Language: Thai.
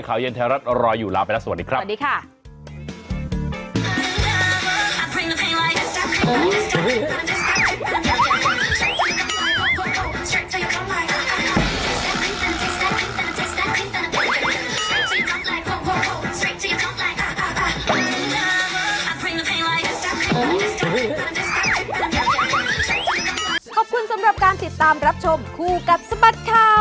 ขอบคุณทุกวันนี้ก็ตายสำนักหนัง